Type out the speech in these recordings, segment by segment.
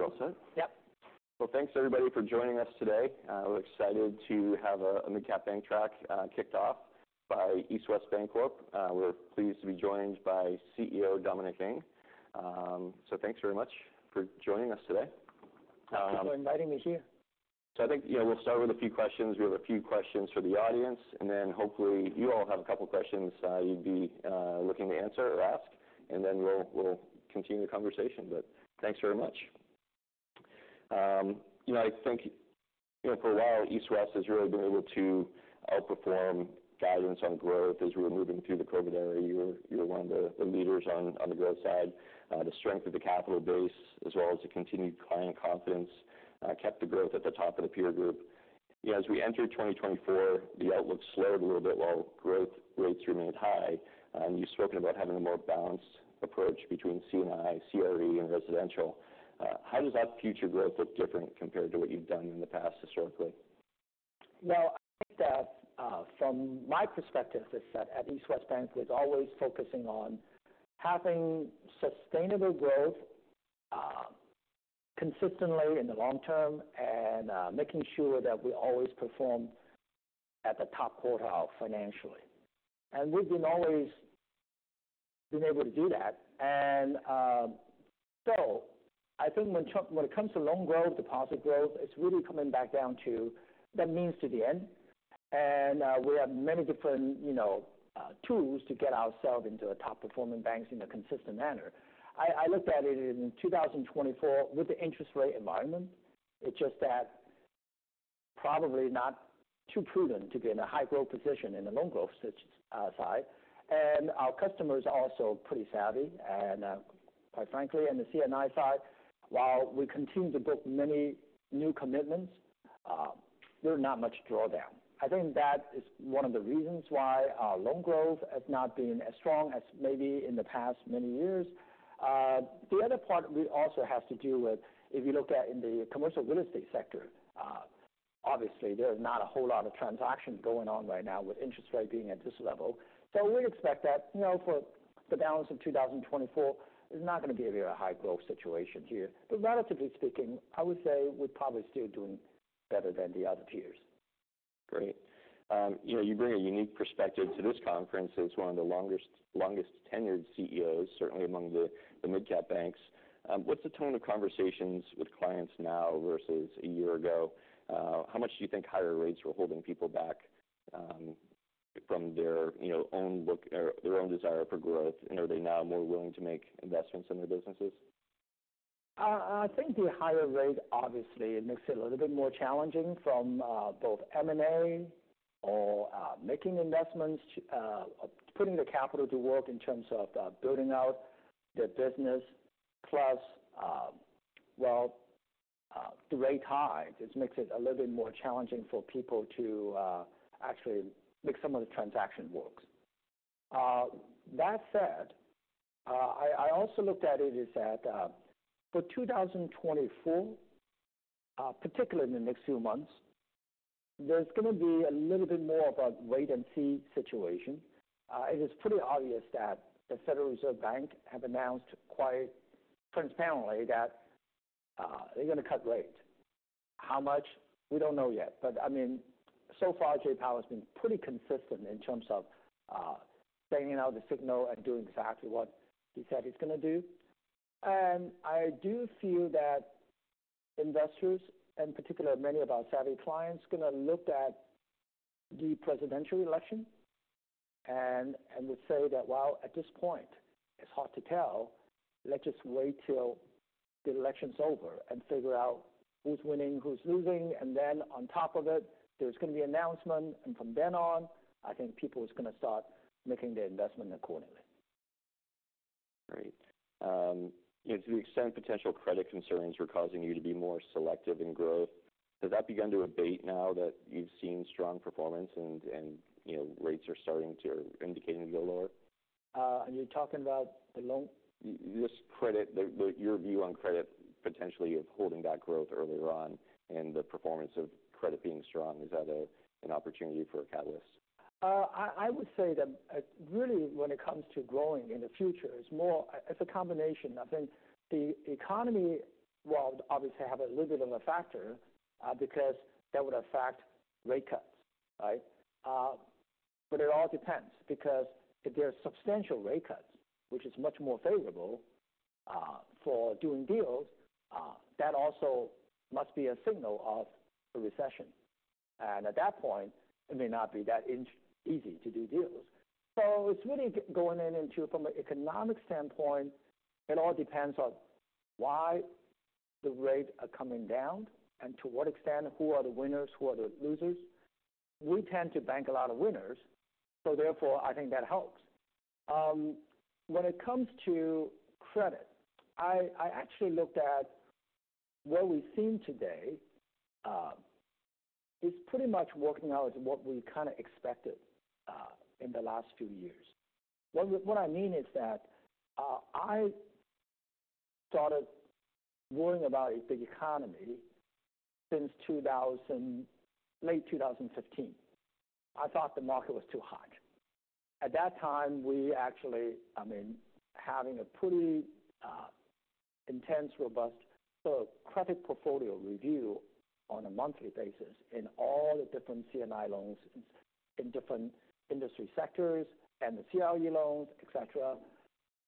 Okay. You all set? Yep. Thanks everybody for joining us today. We're excited to have a mid-cap bank track kicked off by East West Bancorp. We're pleased to be joined by CEO, Dominic Ng, so thanks very much for joining us today. Thank you for inviting me here. So I think, you know, we'll start with a few questions. We have a few questions from the audience, and then hopefully, you all have a couple questions you'd be looking to answer or ask, and then we'll continue the conversation. But thanks very much. You know, I think, you know, for a while, East West has really been able to outperform guidance on growth as we were moving through the COVID era. You were one of the leaders on the growth side. The strength of the capital base, as well as the continued client confidence, kept the growth at the top of the peer group. You know, as we entered twenty twenty-four, the outlook slowed a little bit while growth rates remained high, and you've spoken about having a more balanced approach between C&I, CRE, and residential. How does that future growth look different compared to what you've done in the past historically? I think that from my perspective is that at East West Bank was always focusing on having sustainable growth consistently in the long term and making sure that we always perform at the top quartile financially. We have always been able to do that, so I think when it comes to loan growth, deposit growth, it's really coming back down to the means to the end. We have many different, you know, tools to get ourselves into the top-performing banks in a consistent manner. I looked at it in two thousand twenty-four with the interest rate environment. It's just that probably not too prudent to be in a high growth position on the loan growth side. And our customers are also pretty savvy, and, quite frankly, in the C&I side, while we continue to book many new commitments, there are not much drawdown. I think that is one of the reasons why our loan growth has not been as strong as maybe in the past many years. The other part we also have to do with, if you look at in the commercial real estate sector, obviously, there is not a whole lot of transaction going on right now with interest rate being at this level. So we'd expect that, you know, for the balance of 2024, it's not gonna be a very high growth situation here. But relatively speaking, I would say we're probably still doing better than the other peers. Great. You know, you bring a unique perspective to this conference as one of the longest-tenured CEOs, certainly among the mid-cap banks. What's the tone of conversations with clients now versus a year ago? How much do you think higher rates were holding people back from their, you know, own look or their own desire for growth? And are they now more willing to make investments in their businesses? I think the higher rate, obviously, it makes it a little bit more challenging from both M&A or making investments, putting the capital to work in terms of building out their business. Plus, the rate high, this makes it a little bit more challenging for people to actually make some of the transaction works. That said, I also looked at it as that for 2024, particularly in the next few months, there's gonna be a little bit more of a wait-and-see situation. It is pretty obvious that the Federal Reserve Bank have announced quite transparently that they're gonna cut rate. How much? We don't know yet. But I mean, so far, Jay Powell has been pretty consistent in terms of sending out the signal and doing exactly what he said he's gonna do. And I do feel that investors, and particularly many of our savvy clients, are gonna look at the presidential election and would say that, "Well, at this point, it's hard to tell. Let's just wait till the election's over and figure out who's winning, who's losing." And then on top of it, there's gonna be an announcement, and from then on, I think people is gonna start making their investment accordingly. Great. You know, to the extent potential credit concerns were causing you to be more selective in growth, has that begun to abate now that you've seen strong performance and, you know, rates are starting to or indicating to go lower? You're talking about the loan? Just credit. Your view on credit, potentially of holding back growth earlier on and the performance of credit being strong. Is that an opportunity for a catalyst? I would say that really, when it comes to growing in the future, it's a combination. I think the economy will obviously have a little bit of a factor because that would affect rate cuts, right? But it all depends because if there are substantial rate cuts, which is much more favorable for doing deals, that also must be a signal of a recession. And at that point, it may not be that easy to do deals. So it's really going into from an economic standpoint. It all depends on why the rates are coming down and to what extent, who are the winners, who are the losers? We tend to bank a lot of winners, so therefore, I think that helps. When it comes to credit, I actually looked at what we've seen today is pretty much working out as what we kinda expected in the last few years. What I mean is that I started worrying about the economy since late two thousand fifteen. I thought the market was too hot at that time. We actually, I mean, having a pretty intense, robust credit portfolio review on a monthly basis in all the different C&I loans in different industry sectors and the CRE loans, et cetera,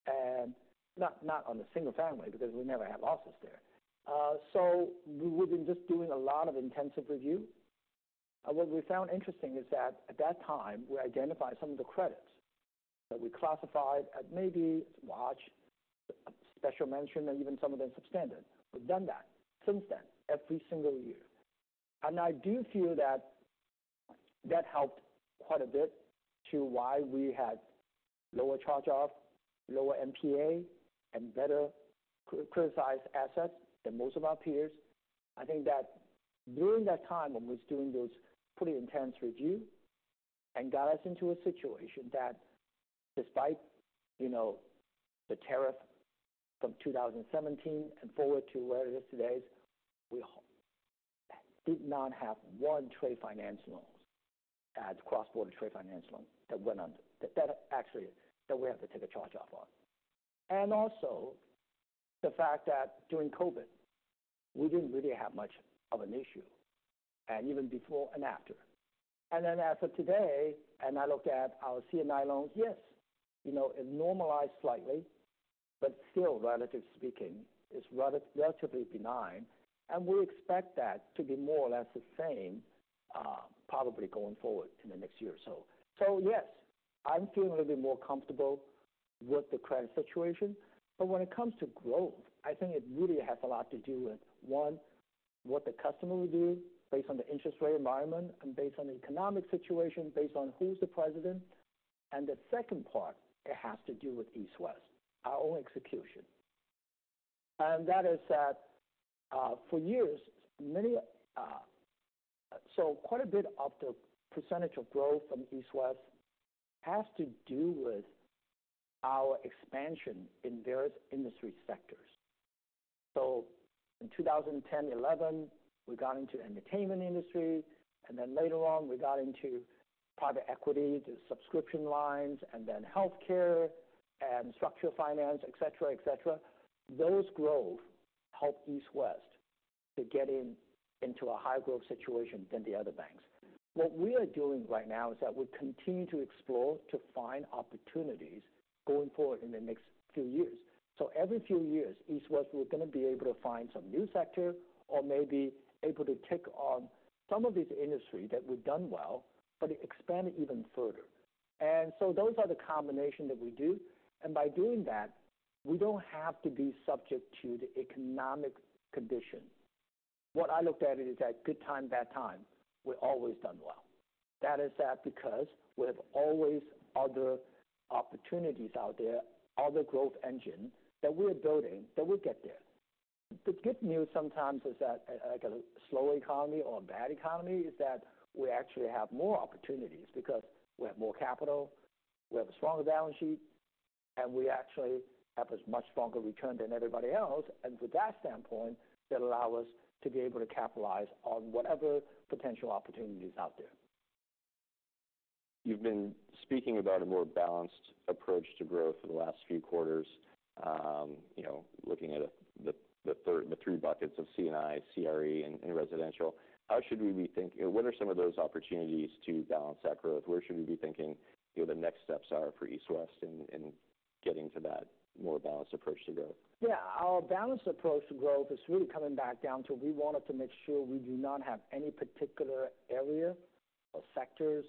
and not on the single family because we never had losses there. So we've been just doing a lot of intensive review. What we found interesting is that at that time, we identified some of the credits that we classified as maybe watch, special mention, and even some of them substandard. We've done that since then, every single year. I do feel that that helped quite a bit to why we had lower charge-off, lower NPA, and better criticized assets than most of our peers. I think that during that time, when we was doing those pretty intense review and got us into a situation that despite, you know, the tariff from two thousand and seventeen and forward to where it is today, we did not have one trade finance loans as cross-border trade finance loan that went under. That actually, that we have to take a charge off on. And also the fact that during COVID, we didn't really have much of an issue, and even before and after. And then as of today, and I look at our C&I loans, yes, you know, it normalized slightly, but still, relatively speaking, it's relatively benign, and we expect that to be more or less the same, probably going forward in the next year or so. So yes, I'm feeling a little bit more comfortable with the credit situation, but when it comes to growth, I think it really has a lot to do with, one, what the customer will do based on the interest rate environment and based on the economic situation, based on who's the president. And the second part, it has to do with East West, our own execution. And that is that, for years, many... So quite a bit of the percentage of growth from East West has to do with our expansion in various industry sectors. So in 2010, 2011, we got into entertainment industry, and then later on, we got into private equity, the subscription lines, and then healthcare and structured finance, et cetera, et cetera. Those growth helped East West to get in, into a higher growth situation than the other banks. What we are doing right now is that we're continuing to explore, to find opportunities going forward in the next few years. So every few years, East West, we're going to be able to find some new sector or maybe able to take on some of these industry that we've done well, but expand it even further. And so those are the combination that we do, and by doing that, we don't have to be subject to the economic condition. What I looked at it is that good time, bad time, we're always done well. That is that because we have always other opportunities out there, other growth engine that we're building, that we get there. The good news sometimes is that, like a slow economy or a bad economy, is that we actually have more opportunities because we have more capital, we have a stronger balance sheet, and we actually have a much stronger return than everybody else. And with that standpoint, that allow us to be able to capitalize on whatever potential opportunities out there. You've been speaking about a more balanced approach to growth for the last few quarters. You know, looking at it, the three buckets of C&I, CRE, and residential. How should we be thinking, what are some of those opportunities to balance that growth? Where should we be thinking, you know, the next steps are for East West in getting to that more balanced approach to growth? Yeah, our balanced approach to growth is really coming back down to, we wanted to make sure we do not have any particular area or sectors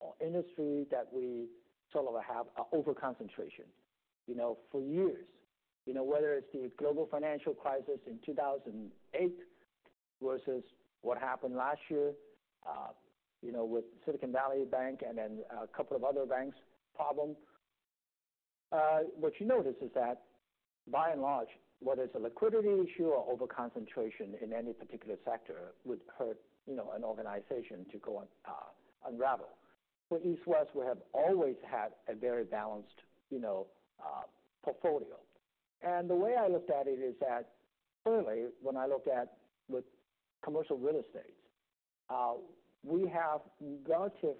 or industry that we sort of have a overconcentration. You know, for years, you know, whether it's the global financial crisis in two thousand and eight versus what happened last year, you know, with Silicon Valley Bank and then a couple of other banks' problem. What you notice is that, by and large, whether it's a liquidity issue or overconcentration in any particular sector, would hurt, you know, an organization to go, unravel. For East West, we have always had a very balanced, you know, portfolio. And the way I looked at it is that, clearly, when I look at with commercial real estate, we have, relatively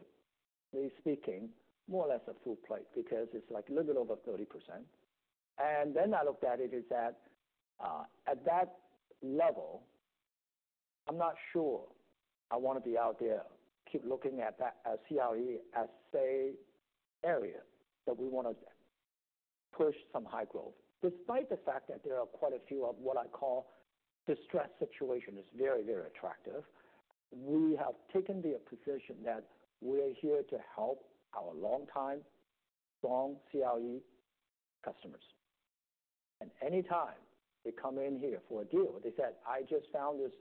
speaking, more or less a full plate because it's like a little bit over 30%. And then I looked at it, is that, at that level, I'm not sure I want to be out there, keep looking at that as CRE as, say, area, that we want to push some high growth. Despite the fact that there are quite a few of what I call distressed situation, is very, very attractive, we have taken the position that we're here to help our long-time, strong CRE customers. And anytime they come in here for a deal, they said, "I just found this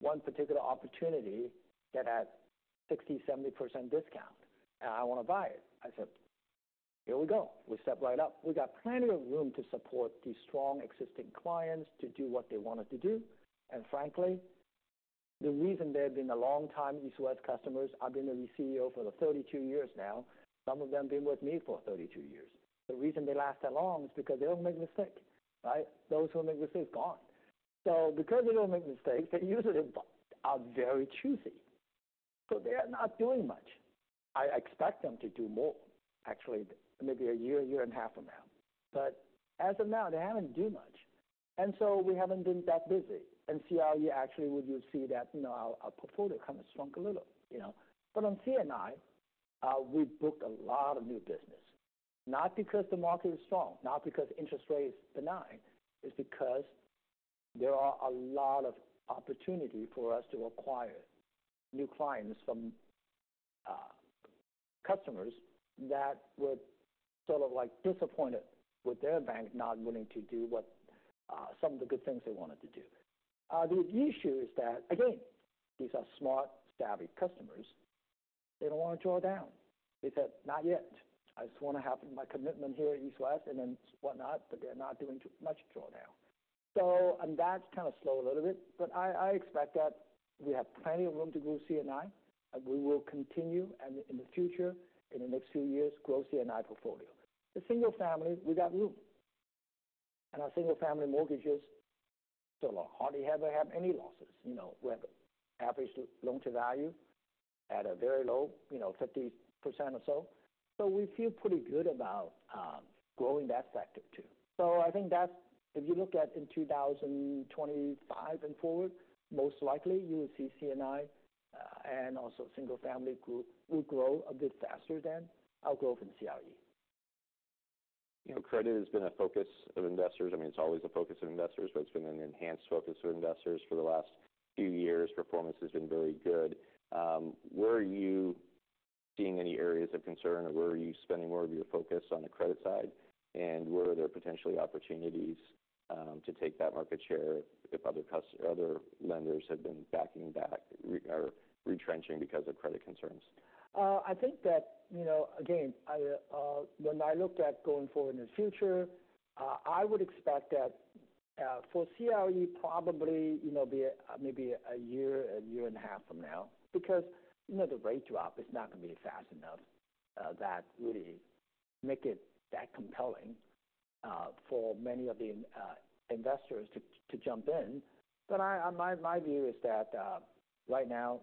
one particular opportunity that at 60%-70% discount, and I want to buy it." I said, "Here we go." We step right up. We got plenty of room to support these strong existing clients to do what they wanted to do. And frankly, the reason they've been a long time East West customers, I've been the CEO for the thirty-two years now. Some of them been with me for thirty-two years. The reason they last that long is because they don't make mistake, right? Those who make mistakes, gone. So because they don't make mistakes, they usually are very choosy. So they are not doing much. I expect them to do more, actually, maybe a year, a year and a half from now. But as of now, they haven't do much, and so we haven't been that busy. In CRE, actually, would you see that, you know, our portfolio kind of shrunk a little, you know? But on C&I, we booked a lot of new business, not because the market is strong, not because interest rate is benign. It's because there are a lot of opportunity for us to acquire new clients from, customers that were sort of like disappointed with their bank not willing to do what, some of the good things they wanted to do. The issue is that, again, these are smart, savvy customers. They don't want to draw down. They said, "Not yet. I just want to have my commitment here at East West" and then whatnot, but they're not doing too much draw down. So and that's kind of slow a little bit, but I expect that we have plenty of room to grow C&I, and we will continue, and in the future, in the next few years, grow C&I portfolio. The single-family, we got room, and our single-family mortgages still hardly ever have any losses. You know, we have average loan-to-value at a very low, you know, 50% or so. So we feel pretty good about growing that sector too. So I think that if you look at in 2025 and forward, most likely you will see C&I and also single-family group will grow a bit faster than our growth in CRE. You know, credit has been a focus of investors. I mean, it's always a focus of investors, but it's been an enhanced focus of investors for the last few years. Performance has been very good. Where are you seeing any areas of concern, or where are you spending more of your focus on the credit side, and where are there potentially opportunities to take that market share if other lenders have been pulling back or retrenching because of credit concerns? I think that, you know, again, when I look at going forward in the future, I would expect that for CRE, probably, you know, maybe a year, a year and a half from now, because, you know, the rate drop is not going to be fast enough that really make it that compelling for many of the investors to jump in. But my view is that right now,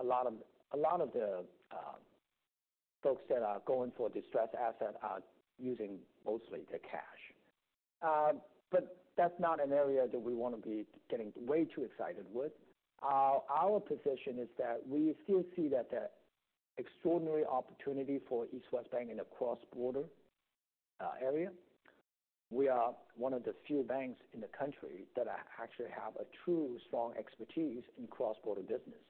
a lot of the folks that are going for distressed asset are using mostly the cash. But that's not an area that we want to be getting way too excited with. Our position is that we still see that the extraordinary opportunity for East West Bank in the cross-border area. We are one of the few banks in the country that actually have a true strong expertise in cross-border business.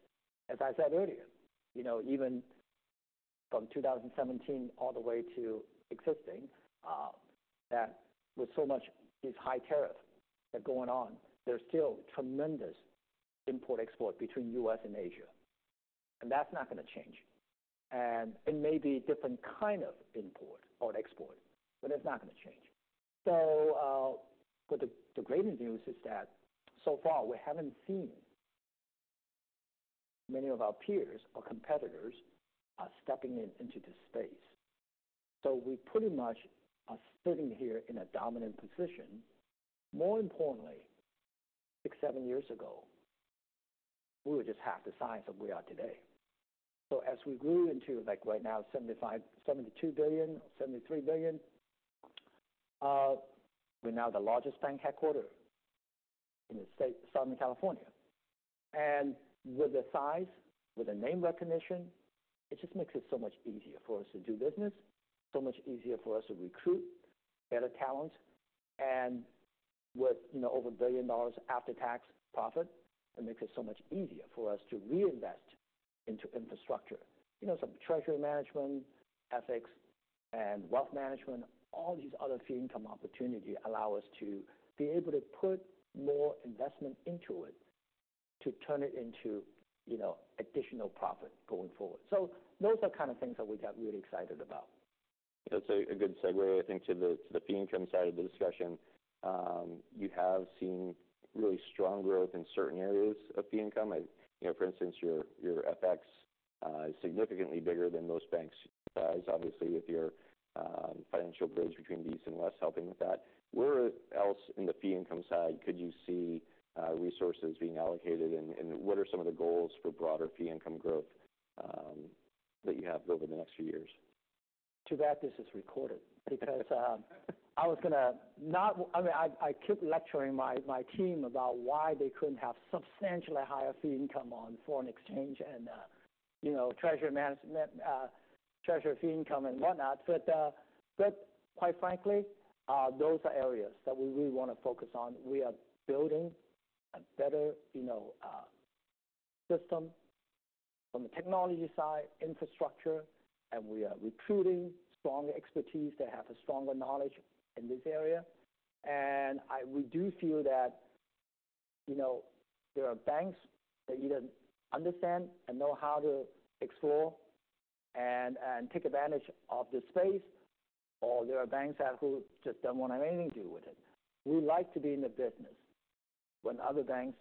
As I said earlier, you know, even from two thousand and seventeen all the way to existing, that with so much, these high tariffs that are going on, there's still tremendous import-export between U.S. and Asia, and that's not going to change, and it may be a different kind of import or export, but it's not going to change. So, but the great news is that so far, we haven't seen many of our peers or competitors stepping into this space, so we pretty much are sitting here in a dominant position. More importantly, six, seven years ago, we were just half the size that we are today. As we grew into, like right now, $72 billion-$73 billion, we're now the largest bank headquartered in the state, Southern California. And with the size, with the name recognition, it just makes it so much easier for us to do business, so much easier for us to recruit better talent. And with, you know, over $1 billion after-tax profit, it makes it so much easier for us to reinvest into infrastructure. You know, some treasury management, etc., and wealth management, all these other fee income opportunity allow us to be able to put more investment into it, to turn it into, you know, additional profit going forward. So those are kind of things that we got really excited about. That's a good segue, I think, to the fee income side of the discussion. You have seen really strong growth in certain areas of fee income. Like, you know, for instance, your FX is significantly bigger than most banks' size, obviously, with your financial bridge between the East and West helping with that. Where else in the fee income side could you see resources being allocated, and what are some of the goals for broader fee income growth that you have over the next few years? Too bad this is recorded, because I was going to not—I mean, I keep lecturing my team about why they couldn't have substantially higher fee income on foreign exchange and, you know, treasury management, treasury fee income and whatnot. But quite frankly, those are areas that we really want to focus on. We are building a better, you know, system from the technology side, infrastructure, and we are recruiting strong expertise that have a stronger knowledge in this area. And we do feel that, you know, there are banks that either understand and know how to explore and take advantage of this space, or there are banks that who just don't want to have anything to do with it. We like to be in the business when other banks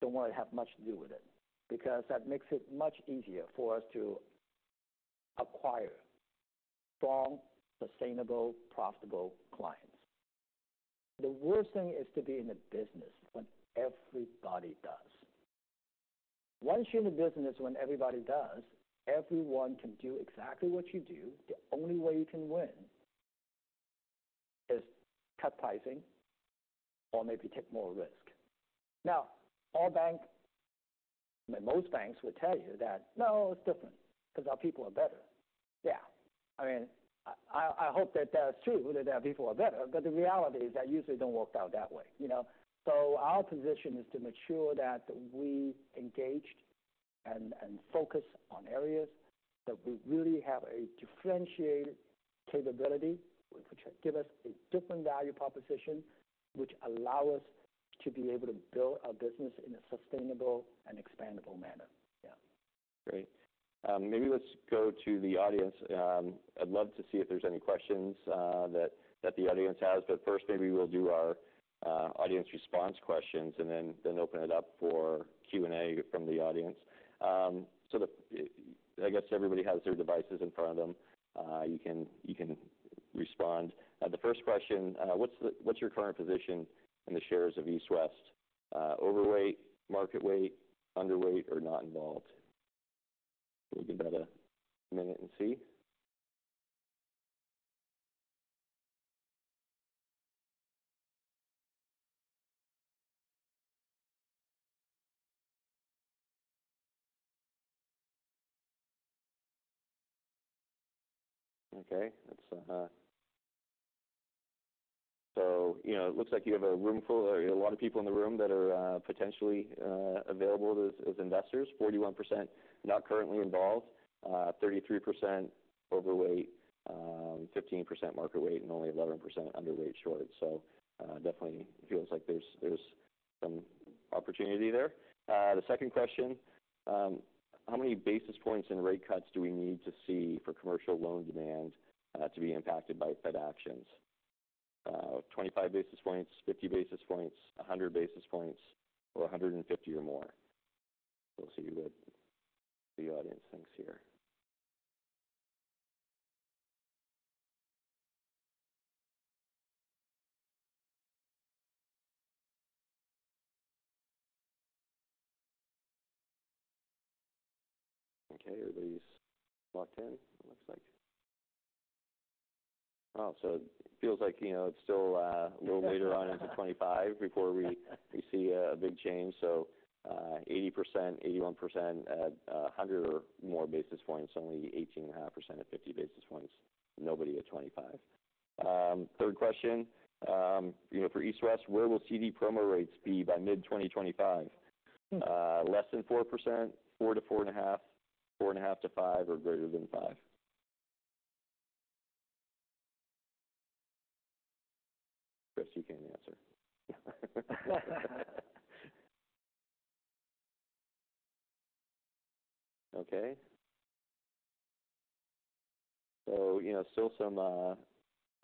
don't want to have much to do with it, because that makes it much easier for us to acquire strong, sustainable, profitable clients. The worst thing is to be in a business when everybody does. Once you're in a business when everybody does, everyone can do exactly what you do. The only way you can win is cut pricing or maybe take more risk. Now, all banks, and most banks will tell you that, "No, it's different because our people are better." Yeah. I mean, I, I hope that that's true, that their people are better, but the reality is that usually don't work out that way, you know? Our position is to make sure that we engaged and focus on areas that we really have a differentiated capability, which give us a different value proposition, which allow us to be able to build our business in a sustainable and expandable manner. Yeah. Great. Maybe let's go to the audience. I'd love to see if there's any questions that the audience has. But first, maybe we'll do our audience response questions, and then open it up for Q&A from the audience. So I guess everybody has their devices in front of them. You can respond. The first question: What's your current position in the shares of East West? Overweight, market weight, underweight, or not involved? We'll give that a minute and see. Okay, that's. So you know, it looks like you have a room full or a lot of people in the room that are potentially available as investors. 41% not currently involved, 33% overweight, 15% market weight, and only 11% underweight short. So, definitely feels like there's some opportunity there. The second question: How many basis points and rate cuts do we need to see for commercial loan demand to be impacted by Fed actions? Twenty-five basis points, fifty basis points, one hundred basis points, or one hundred and fifty or more. We'll see what the audience thinks here. Okay, everybody's locked in, it looks like. Oh, so it feels like, you know, it's still a little later on into twenty-five before we see a big change. So, 80%, 81% at a hundred or more basis points, only 18.5% at fifty basis points. Nobody at twenty-five. Third question, you know, for East West: Where will CD promo rates be by mid 2025? Less than 4%, 4-4.5%, 4.5-5%, or greater than 5%? Chris, you can't answer. Okay. So, you know, still some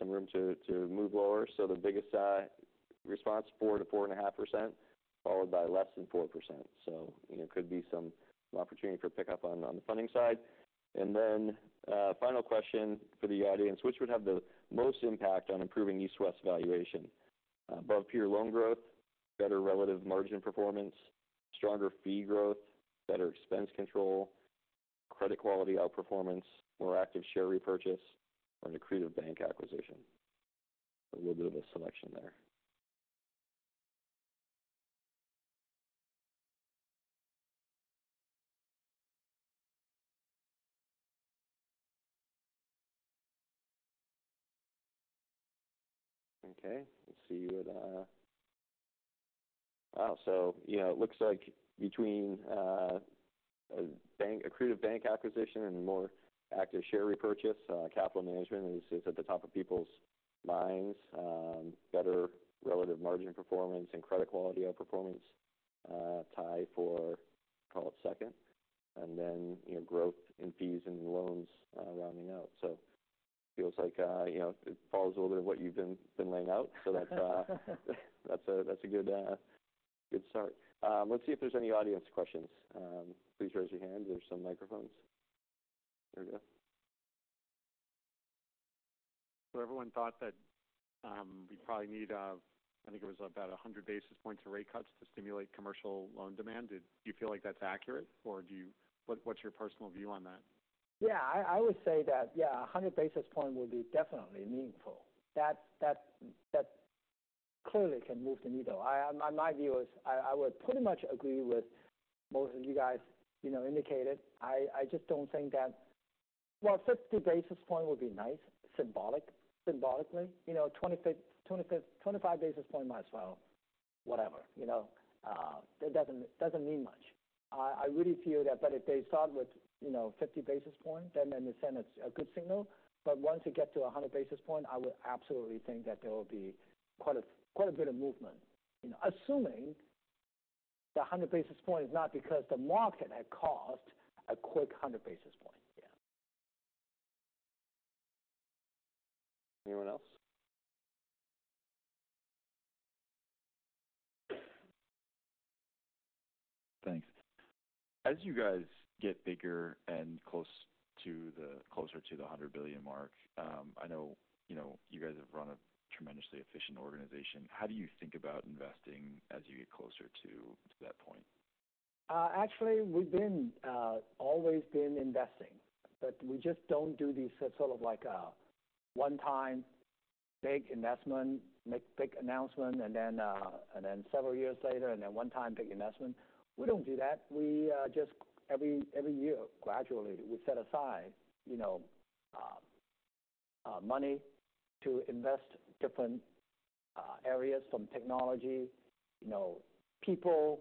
room to move lower. So the biggest response, 4-4.5%, followed by less than 4%. So you know, could be some opportunity for pickup on the funding side. And then, final question for the audience: Which would have the most impact on improving East West valuation? Above peer loan growth, better relative margin performance, stronger fee growth, better expense control, credit quality outperformance, more active share repurchase, or an accretive bank acquisition. A little bit of a selection there. Okay, let's see what... Wow, so, you know, it looks like between a bank, accretive bank acquisition and a more active share repurchase, capital management is at the top of people's minds. Better relative margin performance and credit quality outperformance tie for, call it second, and then, you know, growth in fees and loans rounding out. So it feels like, you know, it follows a little bit of what you've been laying out. So that's a good start. Let's see if there's any audience questions. Please raise your hands. There's some microphones. There we go. So everyone thought that we probably need, I think it was about 100 basis points and rate cuts to stimulate commercial loan demand. Did you feel like that's accurate, or what, what's your personal view on that? Yeah, I would say that, yeah, 100 basis point would be definitely meaningful. That clearly can move the needle. My view is I would pretty much agree with most of you guys, you know, indicated. I just don't think that 50 basis point would be nice, symbolically. You know, 25 basis point might as well, whatever, you know? That doesn't mean much. I really feel that, but if they start with, you know, 50 basis point, then it sends a good signal. But once you get to 100 basis point, I would absolutely think that there will be quite a bit of movement, you know, assuming the 100 basis point is not because the market had caused a quick 100 basis point. Yeah. Anyone else?... Thanks. As you guys get bigger and closer to the hundred billion mark, I know, you know, you guys have run a tremendously efficient organization. How do you think about investing as you get closer to that point? Actually, we've always been investing, but we just don't do these sort of like, one-time big investment, make big announcement, and then, and then several years later, and then one time, big investment. We don't do that. We just every year, gradually, we set aside, you know, money to invest different areas from technology, you know, people,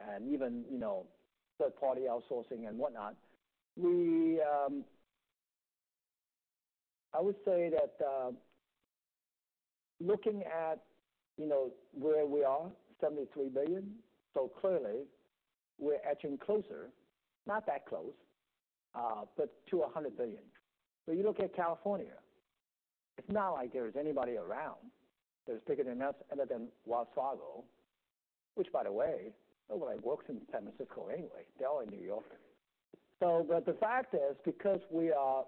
and even, you know, third-party outsourcing and whatnot. I would say that, looking at, you know, where we are, $73 billion, so clearly we're edging closer, not that close, but to $100 billion. So you look at California, it's not like there is anybody around that is bigger than us other than Wells Fargo, which, by the way, nobody works in San Francisco anyway. They're all in New York. So but the fact is, because we are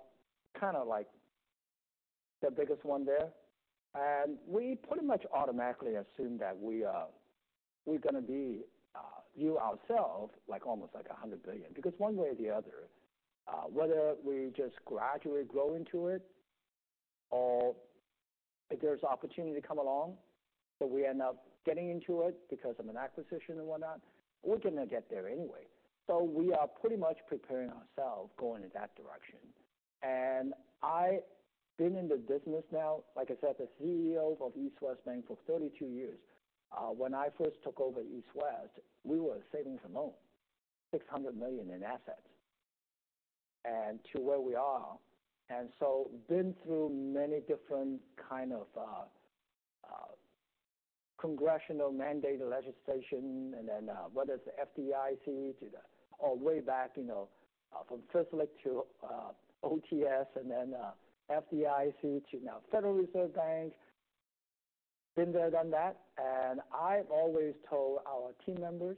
kind of like the biggest one there, and we pretty much automatically assume that we are—we're going to be, view ourselves like almost like $100 billion. Because one way or the other, whether we just gradually grow into it or if there's opportunity to come along, so we end up getting into it because of an acquisition and whatnot, we're going to get there anyway. So we are pretty much preparing ourselves, going in that direction. And I've been in the business now, like I said, the CEO of East West Bank for 32 years. When I first took over East West, we were savings and loan, $600 million in assets and to where we are. And so been through many different kinds of congressional-mandated legislation, and then whether it's FDIC or way back, you know, from FSLIC to OTS and then FDIC to now Federal Reserve Bank. Been there, done that, and I've always told our team members.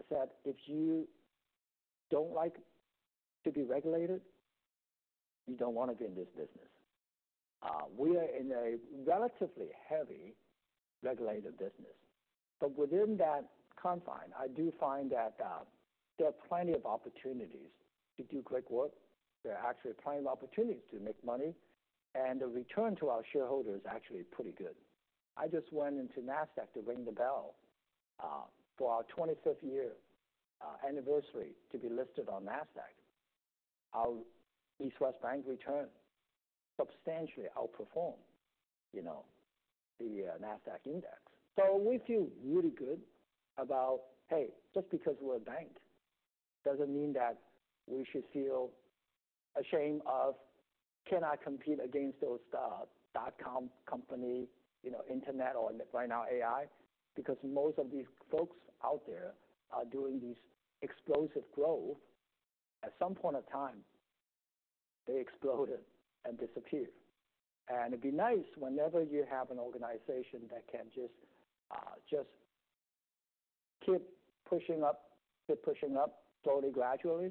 I said, "If you don't like to be regulated, you don't want to be in this business." We are in a relatively heavily regulated business, but within that confine, I do find that there are plenty of opportunities to do great work. There are actually plenty of opportunities to make money, and the return to our shareholders is actually pretty good. I just went into Nasdaq to ring the bell for our twenty-fifth-year anniversary to be listed on Nasdaq. Our East West Bank return substantially outperformed, you know, the Nasdaq index. So we feel really good about, hey, just because we're a bank doesn't mean that we should feel ashamed of cannot compete against those, dot-com company, you know, internet or right now AI, because most of these folks out there are doing these explosive growth. At some point in time, they exploded and disappeared. And it'd be nice whenever you have an organization that can just, just keep pushing up, keep pushing up slowly, gradually,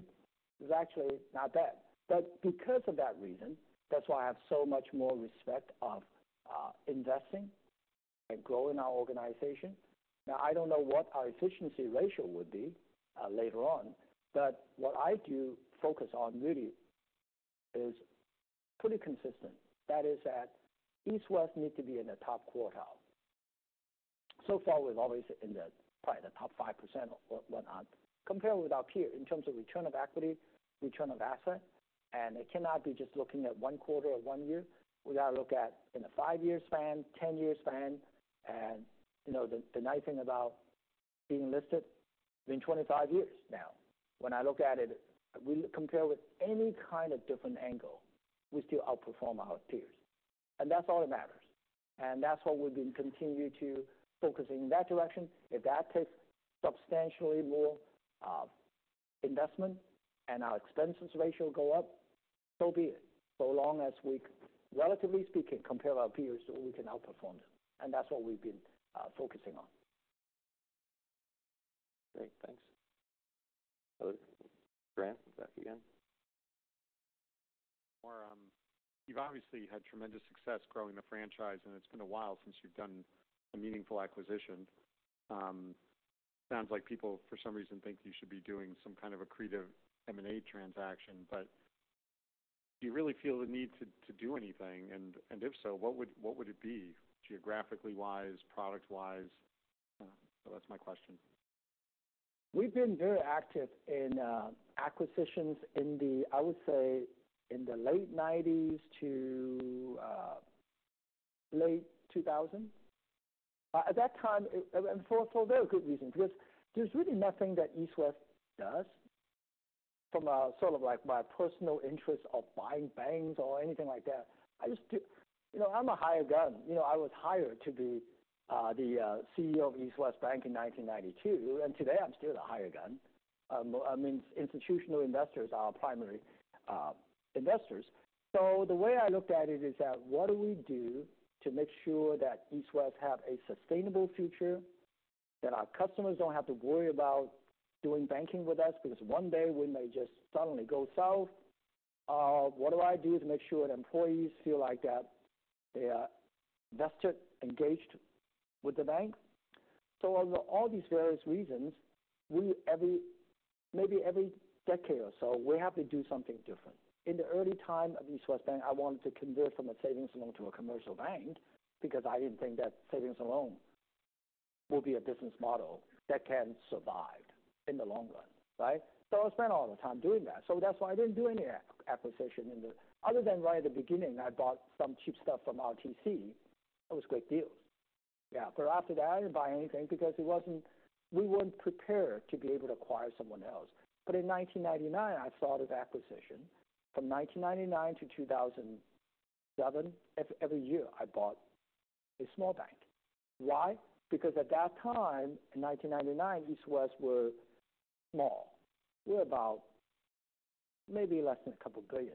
is actually not bad. But because of that reason, that's why I have so much more respect of, investing and growing our organization. Now, I don't know what our efficiency ratio would be, later on, but what I do focus on really is pretty consistent. That is that East West need to be in the top quartile. So far, we've always been in the probably the top 5% or whatnot, compared with our peers in terms of return on equity, return on assets, and it cannot be just looking at one quarter or one year. We got to look at it in a five-year span, ten-year span, and you know, the nice thing about being listed, been twenty-five years now. When I look at it, we compare with any kind of different angle, we still outperform our peers, and that's all that matters. That's what we've been continuing to focus on in that direction. If that takes substantially more investment and our efficiency ratio goes up, so be it. So long as we, relatively speaking, compare to our peers so we can outperform them, and that's what we've been focusing on. Great. Thanks. Grant, back again.... You've obviously had tremendous success growing the franchise, and it's been a while since you've done a meaningful acquisition. Sounds like people, for some reason, think you should be doing some kind of accretive M&A transaction, but do you really feel the need to do anything? And if so, what would it be, geographically wise, product wise? So that's my question. We've been very active in acquisitions. I would say, in the late nineties to late 2000. At that time, and for very good reason, because there's really nothing that East West does from a sort of like, my personal interest of buying banks or anything like that. I just do. You know, I'm a hired gun. You know, I was hired to be the CEO of East West Bank in 1992, and today I'm still a hired gun. I mean, institutional investors are our primary investors. So the way I looked at it is that, what do we do to make sure that East West have a sustainable future? That our customers don't have to worry about doing banking with us, because one day we may just suddenly go south. What do I do to make sure that employees feel like that they are vested, engaged with the bank? So under all these various reasons, we, maybe every decade or so, we have to do something different. In the early time of East West Bank, I wanted to convert from a savings and loan to a commercial bank, because I didn't think that savings alone will be a business model that can survive in the long run, right? So I spent all the time doing that. So that's why I didn't do any acquisition other than right at the beginning, I bought some cheap stuff from RTC. That was a great deal. Yeah, but after that, I didn't buy anything because it wasn't, we weren't prepared to be able to acquire someone else. But in nineteen ninety-nine, I started acquisition. From 1999 to 2007, every year I bought a small bank. Why? Because at that time, in 1999, East West were small. We were about maybe less than $2 billion.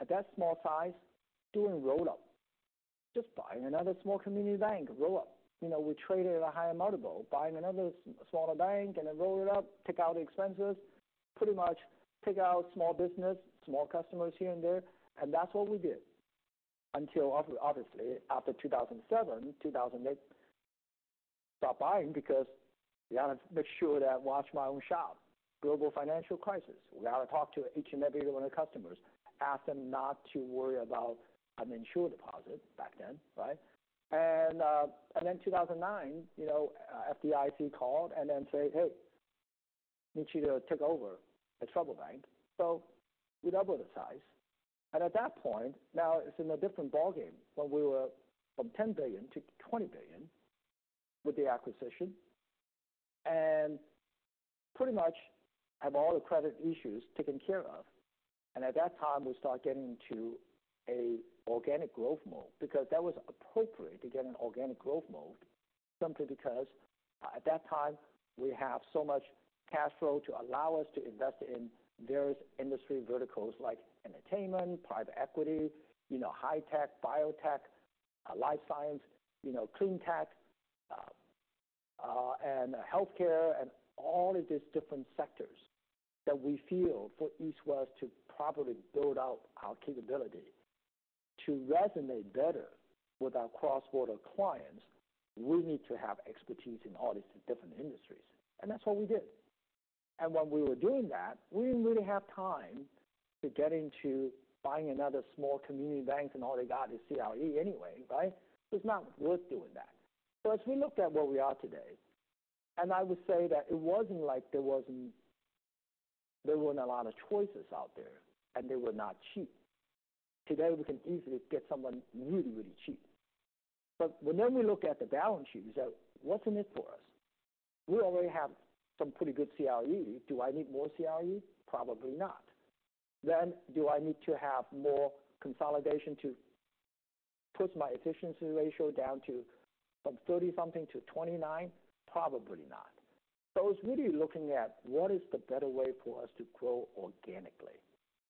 At that small size, doing roll-up, just buying another small community bank, roll up. You know, we trade at a higher multiple, buying another smaller bank and then roll it up, take out the expenses, pretty much take out small business, small customers here and there, and that's what we did. Until obviously, after two thousand and seven, two thousand and eight, stop buying because we have to make sure that watch my own shop. Global financial crisis, we got to talk to each and every one of customers, ask them not to worry about uninsured deposit back then, right? Then, in 2009, you know, the FDIC called and then say, "Hey, need you to take over a troubled bank." So we double the size, and at that point, now it's in a different ballgame. When we were from $10 billion to $20 billion with the acquisition, and pretty much have all the credit issues taken care of. And at that time, we start getting to a organic growth mode, because that was appropriate to get an organic growth mode, simply because, at that time, we have so much cash flow to allow us to invest in various industry verticals like entertainment, private equity, you know, high tech, biotech, life science, you know, clean tech, and healthcare, and all of these different sectors that we feel for East West to properly build out our capability. To resonate better with our cross-border clients, we need to have expertise in all these different industries, and that's what we did. And when we were doing that, we didn't really have time to get into buying another small community bank, and all they got is CRE anyway, right? It's not worth doing that. So as we looked at where we are today, and I would say that it wasn't like there weren't a lot of choices out there, and they were not cheap. Today, we can easily get someone really, really cheap. But whenever we look at the balance sheet, we say, "What's in it for us? We already have some pretty good CRE. Do I need more CRE?" Probably not. Then, do I need to have more consolidation to push my efficiency ratio down to from 30-something to 29? Probably not. It's really looking at what is the better way for us to grow organically.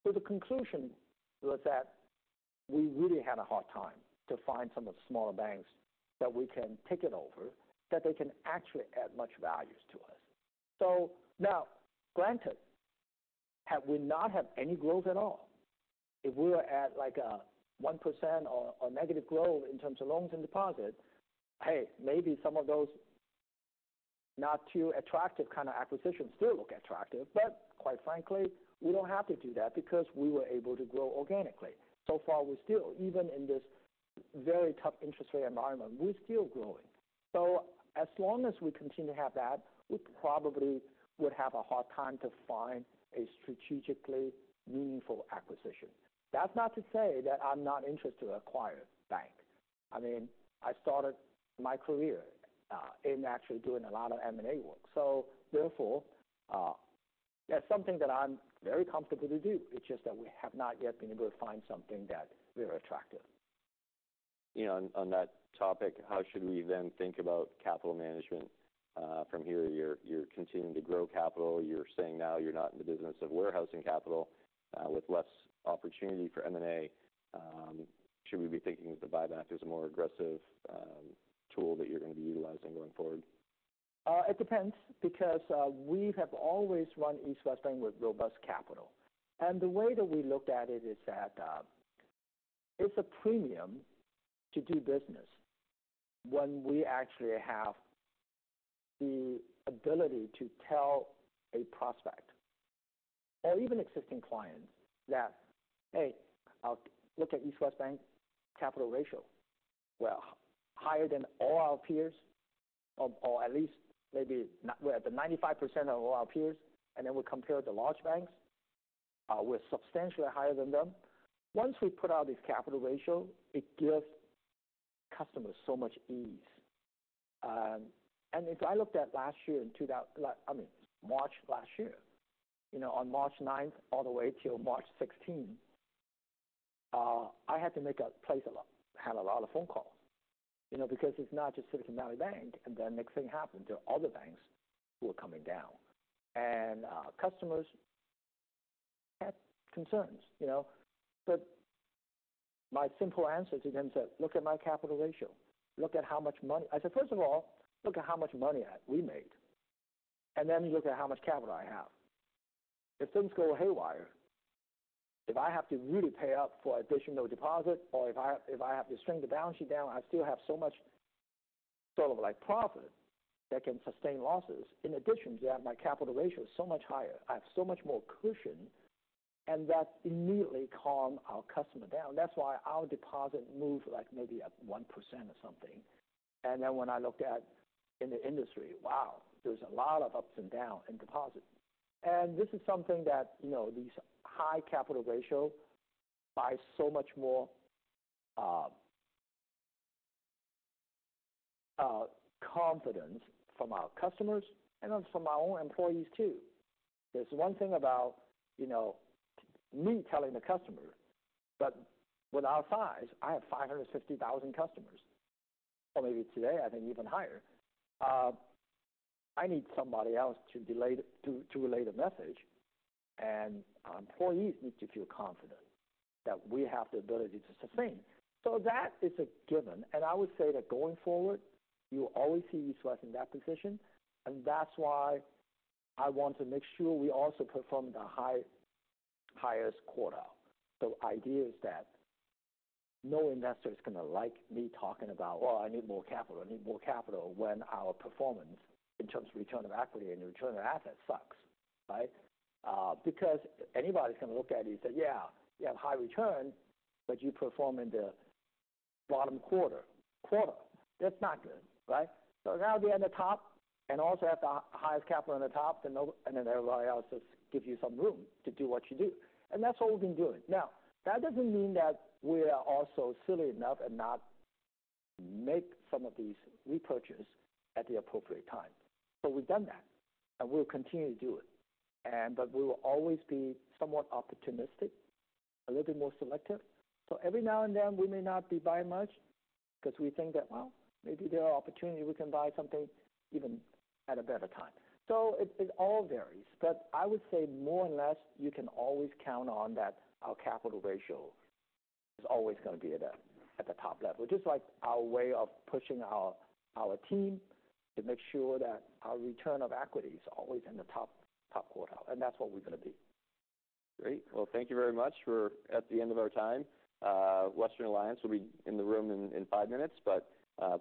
The conclusion was that we really had a hard time to find some of the smaller banks that we can take it over, that they can actually add much values to us. Now, granted, had we not have any growth at all, if we were at, like, a 1% or negative growth in terms of loans and deposits, hey, maybe some of those not too attractive kind of acquisitions still look attractive. But quite frankly, we don't have to do that because we were able to grow organically. So far, we're still, even in this very tough interest rate environment, we're still growing. As long as we continue to have that, we probably would have a hard time to find a strategically meaningful acquisition. That's not to say that I'm not interested to acquire bank. I mean, I started my career in actually doing a lot of M&A work, so therefore, that's something that I'm very comfortable to do. It's just that we have not yet been able to find something that we are attractive. You know, on that topic, how should we then think about capital management from here? You're continuing to grow capital. You're saying now you're not in the business of warehousing capital with less opportunity for M&A. Should we be thinking that the buyback is a more aggressive tool that you're going to be utilizing going forward? It depends, because we have always run East West Bank with robust capital. And the way that we looked at it is that it's a premium to do business when we actually have the ability to tell a prospect or even existing clients that, "Hey, look at East West Bank capital ratio." Well, higher than all our peers, or at least maybe we're at the 95% of all our peers, and then we compare the large banks, we're substantially higher than them. Once we put out this capital ratio, it gives customers so much ease. And if I looked at last year, in two thousand and... I mean, March last year, you know, on March 9th, all the way till March sixteenth, I had to make a place a lot-- had a lot of phone call, you know, because it's not just Silicon Valley Bank, and then next thing happened to other banks who are coming down. And, customers had concerns, you know? But my simple answer to them said, "Look at my capital ratio. Look at how much money"-- I said, "First of all, look at how much money I, we made, and then look at how much capital I have. If things go haywire, if I have to really pay up for additional deposit or if I, if I have to shrink the balance sheet down, I still have so much sort of like profit that can sustain losses. In addition to that, my capital ratio is so much higher. I have so much more cushion," and that immediately calmed our customer down. That's why our deposit moved like maybe at 1% or something. And then when I looked at in the industry, wow, there's a lot of ups and downs in deposits. And this is something that, you know, these high capital ratio buys so much more confidence from our customers and from our own employees, too. There's one thing about, you know, me telling the customer, but with our size, I have five hundred and fifty thousand customers, or maybe today, I think even higher. I need somebody else to relay the message, and our employees need to feel confident that we have the ability to sustain. So that is a given, and I would say that going forward, you will always see East West in that position. That's why I want to make sure we also perform in the highest quartile. So the idea is that no investor is gonna like me talking about, "Well, I need more capital. I need more capital," when our performance in terms of return on equity and return on assets sucks, right? Because anybody can look at it and say, "Yeah, you have high return, but you perform in the bottom quarter. That's not good," right? So now we are at the top and also have the highest capital in the top, and then everybody else just gives you some room to do what you do. And that's what we've been doing. Now, that doesn't mean that we are also silly enough not to make some of these repurchases at the appropriate time. So we've done that, and we'll continue to do it. We will always be somewhat opportunistic, a little bit more selective. So every now and then, we may not be buying much because we think that, well, maybe there are opportunities we can buy something even at a better time. So it all varies, but I would say more or less, you can always count on that our capital ratio is always gonna be at the top level. Just like our way of pushing our team to make sure that our return on equity is always in the top quartile, and that's what we're gonna be. Great. Well, thank you very much. We're at the end of our time. Western Alliance will be in the room in five minutes, but,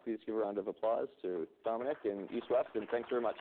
please give a round of applause to Dominic and East West, and thanks very much.